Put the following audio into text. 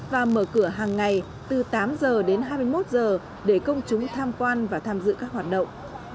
và mở cửa hàng ngày từ tám giờ đến hai mươi một giờ để công chúng tham quan và tham dự các hoạt động